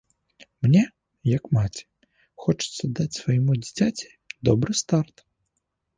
Мне, як маці, хочацца даць свайму дзіцяці добры старт.